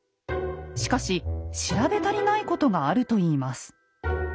しかし調べ足りないことがあると言います。